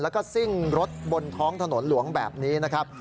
แล้วก็ซิ่งรถบนท้องถนนหลวงแบบนี้นะครับ